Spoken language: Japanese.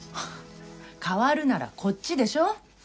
代わるならこっちでしょ。